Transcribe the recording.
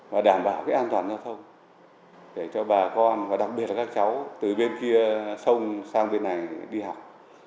và đảm bảo an toàn giao thông để cho bà con và đặc biệt là các cháu từ bên kia sông sang bên này đi học